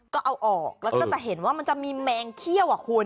ก็เอาออกแล้วก็จะเห็นว่ามันจะมีแมงเขี้ยวอ่ะคุณ